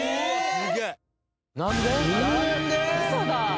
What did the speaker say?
すげえ！